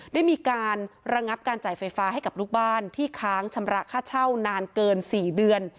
ได้มีการระงับการจ่ายไฟฟ้าให้กับลูกบ้านที่ค้างชำระค่าเช่านานเกิน๔เดือน